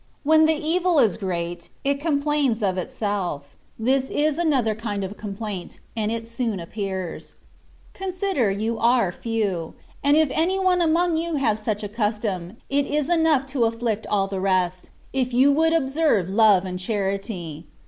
When the evil is great, it complains of itself : this is another kind of complaint, and it soon appears. Consider, you are few ; and if any one among you have such a custom, it is enough to afflict ^ the rest,^ if you would o))serve love and charity.